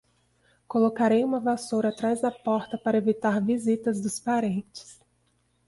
Colocarei uma vassoura atrás da porta para evitar visitas dos parentes